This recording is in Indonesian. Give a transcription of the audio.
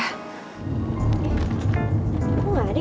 kok gak ada